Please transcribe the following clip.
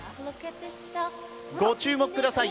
ご注目ください